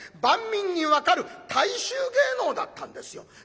万民に分かる大衆芸能だったんですよ。